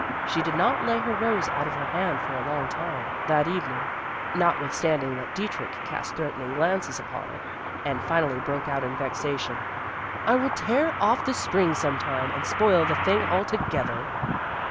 She did not lay her rose out of her hand for a long time, that evening, notwithstanding that Dietrich cast threatening glances upon it, and finally broke out in vexation, "I will tear off the spring some time, and spoil the thing altogether."